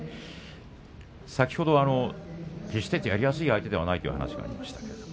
先ほど決してやりやすい相手ではないと話していましたね。